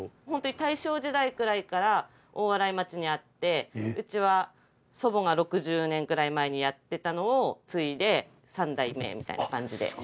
本当に大正時代くらいから大洗町にあって、うちは祖母が６０年くらい前にやってたのを継いで、３代目みたいな感じで。